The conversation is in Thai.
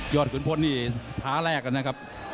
ยอดคุณพลนี่ท้าแรกนะครับ